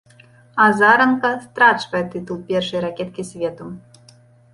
Азаранка страчвае тытул першай ракеткі свету.